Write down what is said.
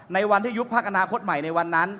ในวันที่ยุบพักอนาคตใหม่ในวันนั้น